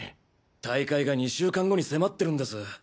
大会が２週間後に迫ってるんです。